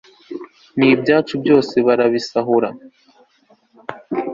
n'ibyacu byose barabisahura